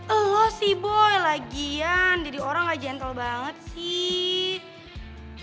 eluh sih boy lagian dari orang gak gentle banget sih